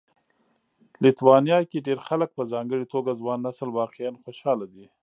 لیتوانیا کې ډېر خلک په ځانګړي توګه ځوان نسل واقعا خوشاله دي